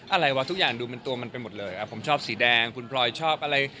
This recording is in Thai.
อะไรวะทุกอย่างดูเป็นตัวมันไปหมดเลยครับผมชอบสีแดงคุณพลอยชอบอะไร